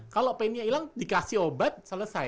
kalau pain nya hilang dikasih obat selesai